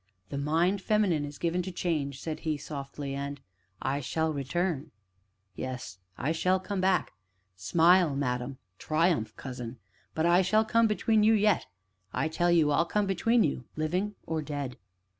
"The Mind Feminine is given to change," said he softly, "and I shall return yes, I shall come back. Smile, madam! Triumph, cousin! But I shall come between you yet I tell you, I'll come between you living or dead!"